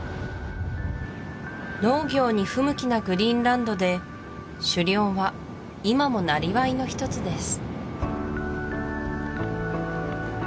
農業に不向きなグリーンランドで狩猟は今もなりわいの一つです